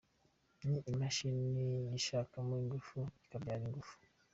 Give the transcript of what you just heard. Ni Imashini yishakamo ingufu ikabyara ingufu.